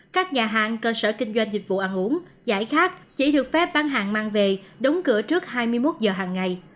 các nhà hàng cơ sở kinh doanh dịch vụ ăn uống giải khát chỉ được phép bán hàng mang về đóng cửa trước hai mươi một giờ hàng ngày